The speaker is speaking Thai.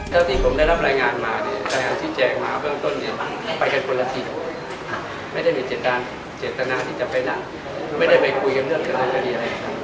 เท่าที่ผมได้รับรายงานมาเนี่ยรายงานที่แจกมากับเรื่องต้นเนี่ยไปกันคนละทีไม่ได้มีเจตนาที่จะไปนะไม่ได้ไปคุยกันเรื่องกันเลย